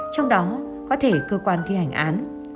trong đó có thể cơ quan thi hành án